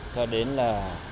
cho đến là